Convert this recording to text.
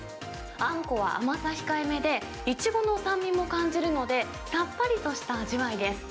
あんこは甘さ控えめで、イチゴの酸味も感じるのでさっぱりとした味わいです。